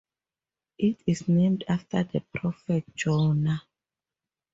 It is named after the prophet Jonah.